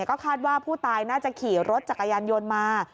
ก็คาดว่าผู้ตายน่าจะขี่รถจักรยานยนต์มา